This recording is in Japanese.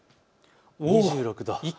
２６度。